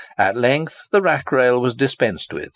At length the rack rail was dispensed with.